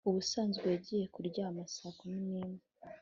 Ubusanzwe yagiye kuryama saa kumi nimwe